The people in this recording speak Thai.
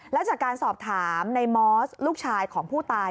และจากการสอบถามในมอสลูกชายของผู้ตาย